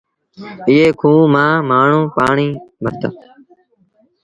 ايئي کوه مآݩ مآڻهوٚݩ پآڻيٚ ڀرتآ۔